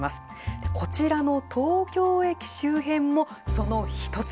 こちらの東京駅周辺もその一つ。